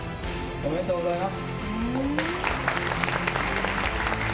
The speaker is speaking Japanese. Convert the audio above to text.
おめでとうございます。